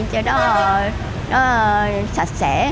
cho nó sạch sẽ